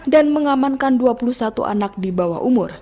dan mengamankan dua puluh satu anak di bawah umur